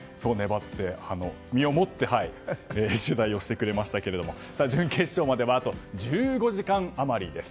身を持って取材をしてくれましたけど準決勝まではあと１５時間余りです。